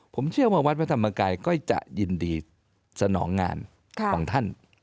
ผมเชื่อว่าวัดพระธรรมกายก็จะยินดีสนองงานของท่าน